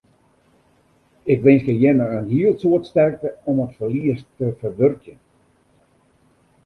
Ik winskje jimme in hiel soad sterkte om it ferlies te ferwurkjen.